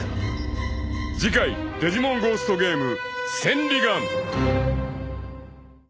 ［次回『デジモンゴーストゲーム』］